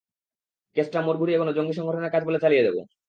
কেসটা মোড় ঘুরিয়ে কোনো জঙ্গি সংগঠনের কাজ বলে চালিয়ে দেবো।